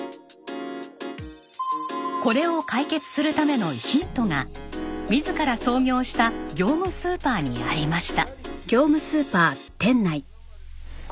これを解決するためのヒントが自ら創業した業務スーパーにありました。